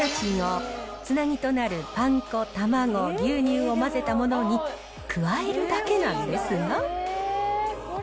そんな粉ゼラチンをつなぎとなるパン粉、卵、牛乳を混ぜたものに、加えるだけなんですが。